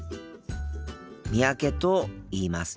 三宅と言います。